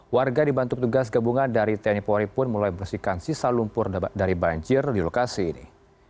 warga dibantu petugas gabungan dari tni polri pun mulai membersihkan sisa lumpur dari banjir di lokasi ini